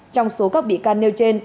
trong số các bị can nêu trên